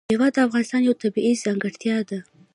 مېوې د افغانستان یوه طبیعي ځانګړتیا ده.